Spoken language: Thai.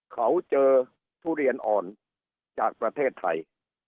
เขาเจอทุเรียนอ่อนจากประเทศไทย